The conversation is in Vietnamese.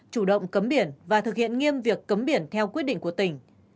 chủ động cấm biển và thực hiện nghiêm việc cấm biển theo quyết định của tỉnh